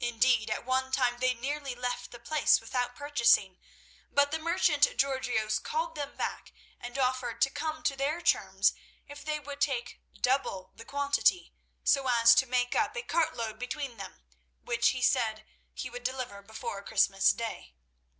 Indeed, at one time they nearly left the place without purchasing, but the merchant Georgios called them back and offered to come to their terms if they would take double the quantity, so as to make up a cartload between them, which he said he would deliver before Christmas Day.